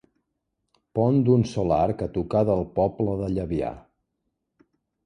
Pont d'un sol arc a tocar del poble de Llabià.